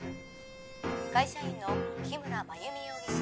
会社員の日村繭美容疑者